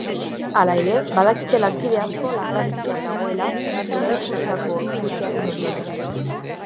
Hala ere, badakite lankide asko langabezian dagoela eraikuntzako krisiaren ondorioz.